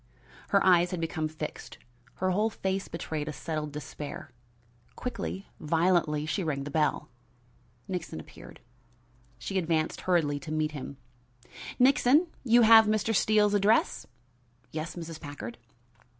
Her eyes had become fixed; her whole face betrayed a settled despair. Quickly, violently, she rang the bell. Nixon appeared. She advanced hurriedly to meet him. "Nixon, you have Mr. Steele's address?" "Yes, Mrs. Packard."